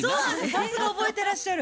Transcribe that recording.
さすが覚えてらっしゃる。